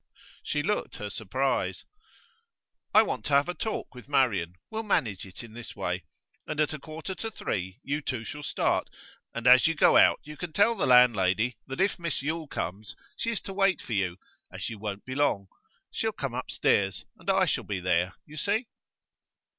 She looked her surprise. 'I want to have a talk with Marian. We'll manage it in this way. At a quarter to three you two shall start, and as you go out you can tell the landlady that if Miss Yule comes she is to wait for you, as you won't be long. She'll come upstairs, and I shall be there. You see?